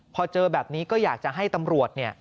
พอเจอแบบนี้ก็อยากจะให้ตำรวจเนี่ย